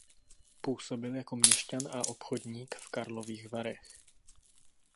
Působil jako měšťan a obchodník v Karlových Varech.